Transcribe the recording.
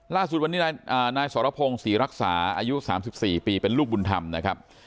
ล่าสุดวันนี้นายสรพงศรีรักษาอายุ๓๔ปีเป็นลูกบุญธรรมนะครับ